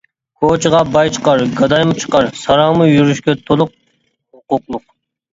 كوچىغا باي چىقار، گادايمۇ چىقار، ساراڭمۇ يۈرۈشكە تولۇق ھوقۇقلۇق.